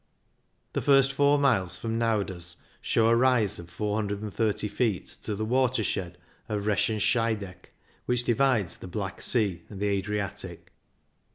The first four miles from Nauders show a rise of 430 feet to the watershed of Reschen Scheideck, which divides the Black Sea and the Adriatic.